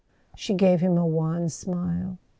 She gave him a wan smile.